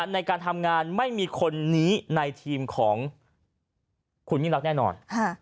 ในการทำงานไม่มีคนนี้ในทีมของคุณยิ่งรักแน่นอน